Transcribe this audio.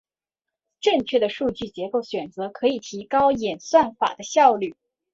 正确的数据结构选择可以提高演算法的效率。